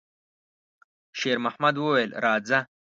شېرمحمد وویل: «راځه!»